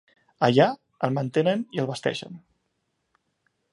Allà el mantenen i el vesteixen.